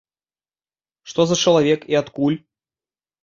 Што за чалавек і адкуль?